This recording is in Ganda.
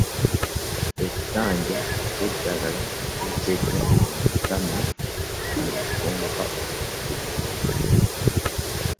Essanja zenddagala ez'okeddwa omusana n'ezikongoka kuva ku kitooke